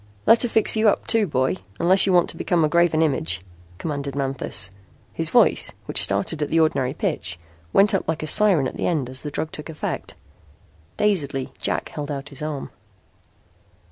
"Let her fix you up too, boy, unless you want to become a graven image," commanded Manthis. His voice, which started at the ordinary pitch, went up like a siren at the end as the drug took effect. Dazedly Jack held out his arm.